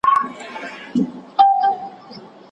لکه پتڼ درته سوځېږمه بلبل نه یمه